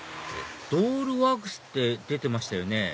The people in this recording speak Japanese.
ドールワークスって出てましたよね